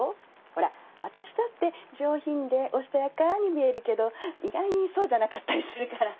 ほら私だって上品でおしとやかに見えるけど意外にそうじゃなかったりするから。